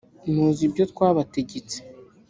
muzi ibyo twabategetse